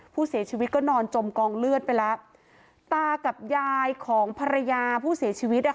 ผู้เสียชีวิตก็นอนจมกองเลือดไปแล้วตากับยายของภรรยาผู้เสียชีวิตอ่ะ